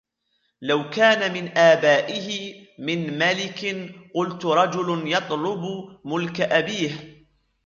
لَوْ كَانَ مِنْ آبَائِهِ مِنْ مَلِكٍ قُلْتُ رَجُلٌ يَطْلُبُ مُلْكَ أَبِيهِ.